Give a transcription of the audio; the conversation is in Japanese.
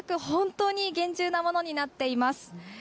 本当に厳重なものになっています。